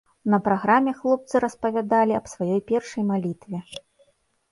На праграме хлопцы распавядалі аб сваёй першай малітве.